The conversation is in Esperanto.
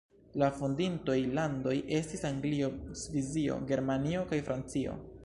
La fondintoj landoj estis Anglio, Svisio, Germanio kaj Francio.